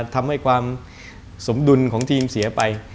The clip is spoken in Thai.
ทำให้ความสมดุลของทีมเสียไป